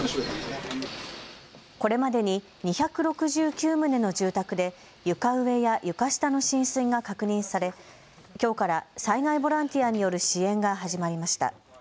これまでに２６９棟の住宅で床上や床下の浸水が確認されきょうから災害ボランティアによる支援が始まりました。